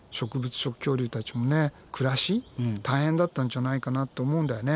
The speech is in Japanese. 食恐竜たちのね暮らし大変だったんじゃないかなと思うんだよね。